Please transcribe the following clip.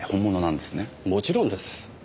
もちろんです。